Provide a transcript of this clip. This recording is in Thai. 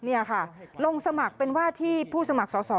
นี่ค่ะลงสมัครเป็นว่าที่ผู้สมัครสอสอ